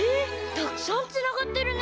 たくさんつながってるね！